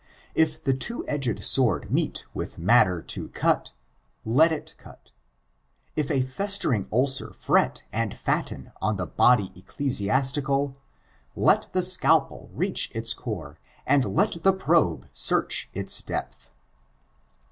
If the two edged sword meet with matter to cut, let it cut. If a festering ulcer fret and fatten on the body ecclesi astical, let the scalpel reach its core, and let the probe search its depth.